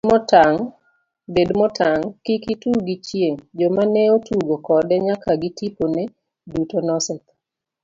Bed motang' kik itug gi chieng' joma ne otugo kode nyaka gitipone, duto nosetho.